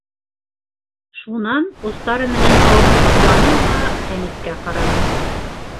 Шунан устары менән ауыҙын ҡапланы ла Хәмиткә ҡараны.